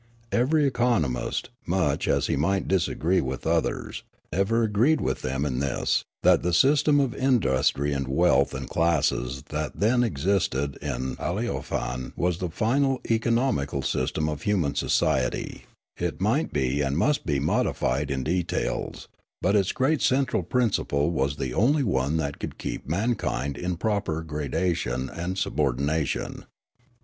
Every economist, much as he might disagree with others, ever agreed with them in this : that the system of industry and wealth and classes that then existed in Aleofane was the final economical system of human society ; it might be and must be modified in details, but its great Aleofanian Devotion to Truth 47 central principle was the only one that could keep mankind in proper gradation and subordination.